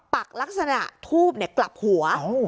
ปักลักษณะทูบกลับหัว